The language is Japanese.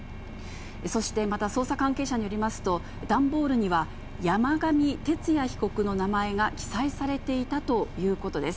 そして、また捜査関係者によりますと、段ボールには山上徹也被告の名前が記載されていたということです。